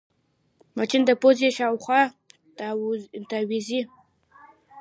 مچان د پوزې شاوخوا تاوېږي